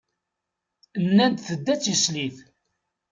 Nnan-d tedda d tislit.